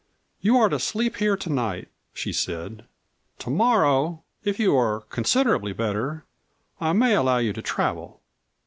"You are to sleep here to night," she said. "To morrow, if you are considerably better, I may allow you to travel."